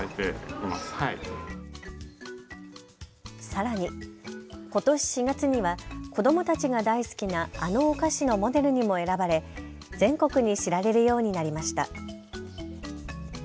さらに、ことし４月には子どもたちが大好きなあのお菓子のモデルにも選ばれ全国に知られるようになりました。